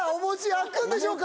あくんでしょうか？